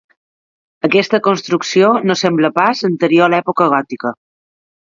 Aquesta construcció no sembla pas anterior a l'època gòtica.